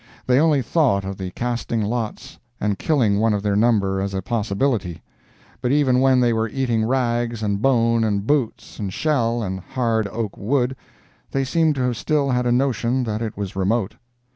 They only thought of the casting lots and killing one of their number as a possibility; but even when they were eating rags, and bone, and boots, and shell, and hard oak wood, they seem to have still had a notion that it was remote.